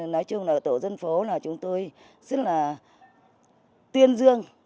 nói chung là tổ dân phố là chúng tôi rất là tuyên dương